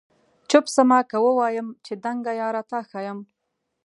چپ سمه که ووایم چي دنګه یاره تا ښایم؟